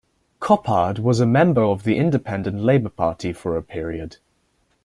Coppard was a member of the Independent Labour Party for a period.